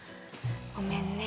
ごめんね。